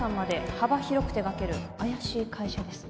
幅広く手がける怪しい会社です